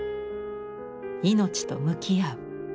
命と向き合う。